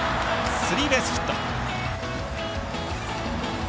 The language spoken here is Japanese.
スリーベースヒット。